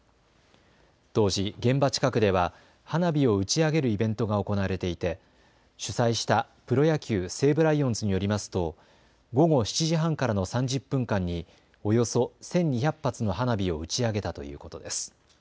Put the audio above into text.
当時、現場近くでは花火を打ち上げるイベントが行われていて主催したプロ野球、西武ライオンズによりますと午後７時半からの３０分間におよそ１２００発の花火を打ち上げたということです。